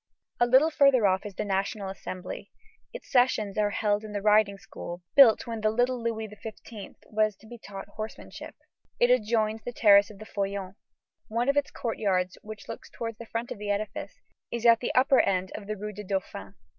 A little further off is the National Assembly. Its sessions are held in the riding school built when the little Louis XV. was to be taught horsemanship. It adjoins the terrace of the Feuillants. One of its courtyards which looks towards the front of the edifice, is at the upper end of the rue de Dauphin.